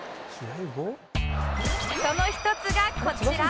その一つがこちら